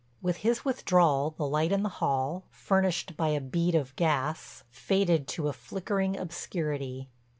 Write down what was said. With his withdrawal the light in the hall, furnished by a bead of gas, faded to a flickering obscurity.